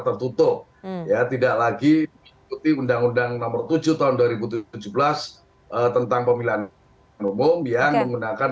tertutup ya tidak lagi mengikuti undang undang nomor tujuh tahun dua ribu tujuh belas tentang pemilihan umum yang menggunakan